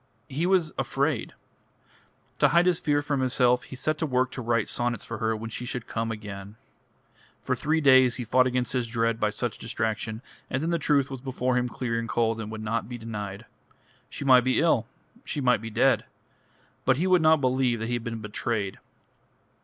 He was afraid. To hide his fear from himself, he set to work to write sonnets for her when she should come again.... For three days he fought against his dread by such distraction, and then the truth was before him clear and cold, and would not be denied. She might be ill, she might be dead; but he would not believe that he had been betrayed.